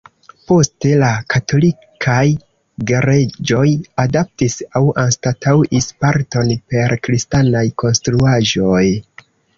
Poste, la Katolikaj Gereĝoj adaptis aŭ anstataŭis parton per kristanaj konstruaĵoj.